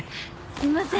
すいません。